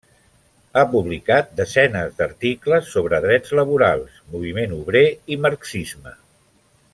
Ha publicat desenes d’articles sobre drets laborals, moviment obrer i marxisme.